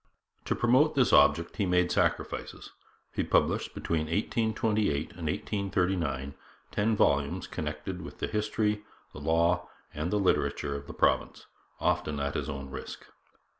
To promote this object he made sacrifices. He published, between 1828 and 1839, ten volumes, connected with the history, the law, and the literature of the province, often at his own risk.